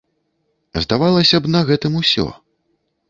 Здавалася б, на гэтым усё.